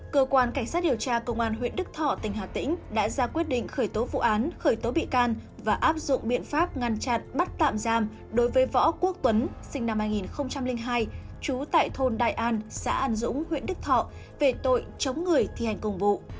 cơ quan cảnh sát điều tra công an huyện đức thọ tỉnh hà tĩnh đã ra quyết định khởi tố vụ án khởi tố bị can và áp dụng biện pháp ngăn chặn bắt tạm giam đối với võ quốc tuấn sinh năm hai nghìn hai trú tại thôn đại an xã an dũng huyện đức thọ về tội chống người thi hành công vụ